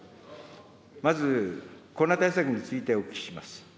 まず、コロナ対策についてお聞きします。